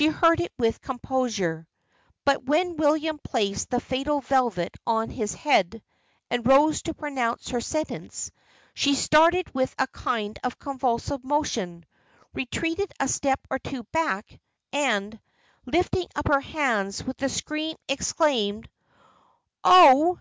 She heard it with composure. But when William placed the fatal velvet on his head, and rose to pronounce her sentence, she started with a kind of convulsive motion; retreated a step or two back, and, lifting up her hands, with a scream exclaimed "Oh!